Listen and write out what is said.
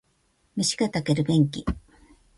飯が炊ける便器